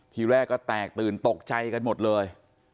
ทีแรกก็แตกตื่นตกใจกันหมดเลย